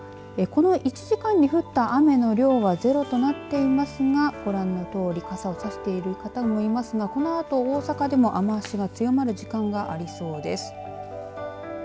この１時間に降った雨の量はゼロとなっていますがご覧のとおり傘をさしている方もいますがこのあと大阪でも雨足が強まる時間がありそうです。